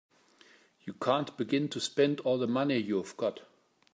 You can't begin to spend all the money you've got.